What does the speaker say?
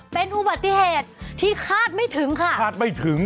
เป็นอุบัติเหตุที่คาดไม่ถึงค่ะคาดไม่ถึง